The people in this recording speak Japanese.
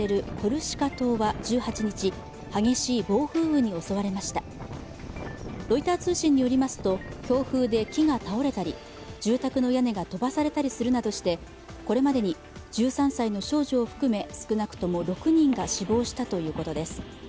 ロイター通信によりますと、強風で木が倒れたり、住宅の屋根が飛ばされたりするなどしてこれまでに１３歳の少女を含め、少なくとも６人が死亡したということです。